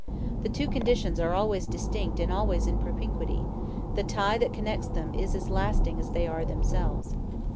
The two conditions are always distinct and always in propinquity; the tie that connects them is as lasting as they are themselves.